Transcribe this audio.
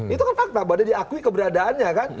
itu kan fakta pada diakui keberadaannya kan